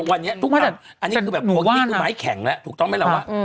อันนี้แค่หมายแข็งแหละถูกต้องมั้ยลาว